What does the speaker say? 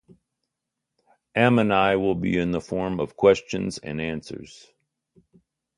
Ammanai will be in the form of questions and answers.